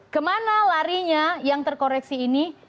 kemana larinya yang terkoreksi ini